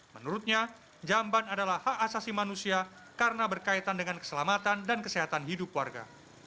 menurutnya jamban adalah hak asasi manusia karena berkaitan dengan keselamatan dan kesehatan hidup warga